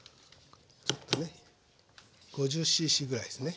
ちょっとね５０ｃｃぐらいですね。